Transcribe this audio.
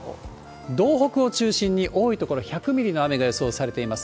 道北を中心に多い所、１００ミリの雨が予想されています。